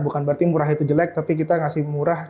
bukan berarti murah itu jelek tapi kita ngasih murah